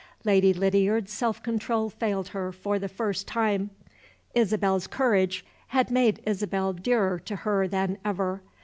Lady Lydiard's self control failed her for the first time. Isabel's courage had made Isabel dearer to her than ever.